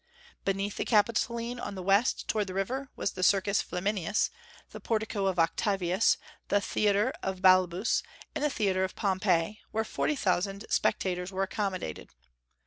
Beneath the Capitoline on the west, toward the river, was the Circus Flaminius, the Portico of Octavius, the Theatre of Balbus, and the Theatre of Pompey, where forty thousand spectators were accommodated.